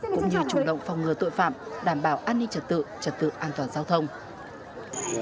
cũng như chủ động phòng ngừa tội phạm đảm bảo an ninh trật tự trật tự an toàn giao thông